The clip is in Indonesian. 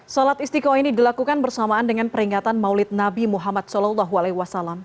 sholat istiqo ini dilakukan bersamaan dengan peringatan maulid nabi muhammad saw